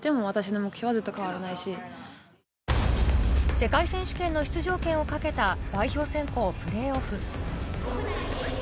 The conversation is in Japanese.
世界選手権への出場権を懸けた代表選考プレーオフ。